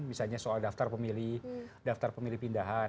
misalnya soal daftar pemilih daftar pemilih pindahan